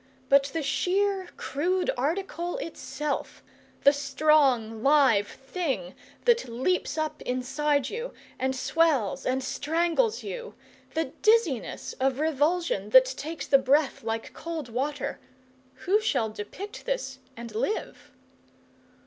But the sheer, crude article itself the strong, live thing that leaps up inside you and swells and strangles you, the dizziness of revulsion that takes the breath like cold water who shall depict this and live?